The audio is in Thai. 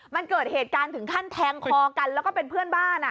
มันเกิดเหตุการณ์ถึงขั้นแทงคอกันแล้วก็เป็นเพื่อนบ้าน